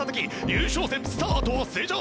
優勝戦スタートは正常。